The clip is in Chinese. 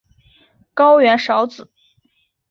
高原苕子